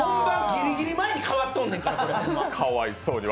ギリギリ前に変わってんねんから。